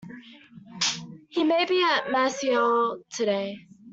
He may be at Marseille today.